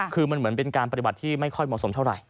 คือมันเหมือนเป็นการปฏิบัติที่ไม่ค่อยเหมาะสมเท่าไหร